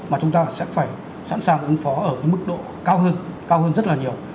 mà chúng ta sẽ phải sẵn sàng ứng phó ở cái mức độ cao hơn cao hơn rất là nhiều